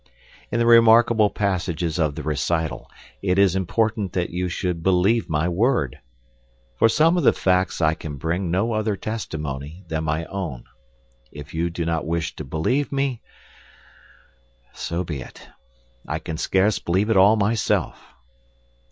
In the remarkable passages of the recital, it is important that you should believe my word. For some of the facts I can bring no other testimony than my own. If you do not wish to believe me, so be it. I can scarce believe it all myself.